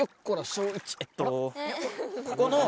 ここの。